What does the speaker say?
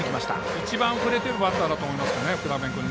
１番、振れているバッターだと思います、福溜君。